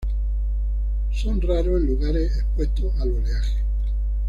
Son raros en lugares expuestos al oleaje.